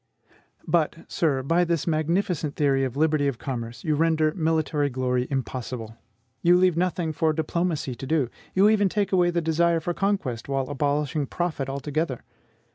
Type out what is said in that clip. But, sir, by this magnificent theory of liberty of commerce you render military glory impossible, you leave nothing for diplomacy to do; you even take away the desire for conquest, while abolishing profit altogether.